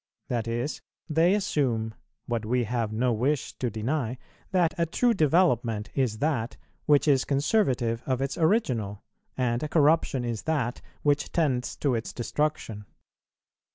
That is, they assume, what we have no wish to deny, that a true development is that which is conservative of its original, and a corruption is that which tends to its destruction.